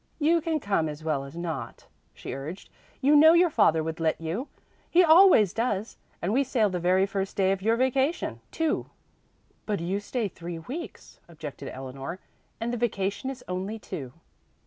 "You can come as well as not," she urged. "You know your father would let you he always does. And we sail the very first day of your vacation too." "But you stay three weeks," objected Eleanor, "and the vacation is only two."